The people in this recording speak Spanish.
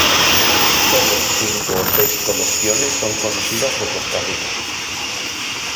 Sólo cinco o seis colecciones son conocidas de Costa Rica.